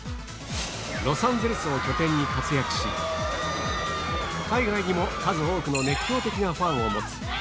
ロサンゼルスを拠点に活躍し海外にも数多くの熱狂的なファンを持つ